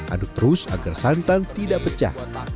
aduk terus agar santan tidak pecah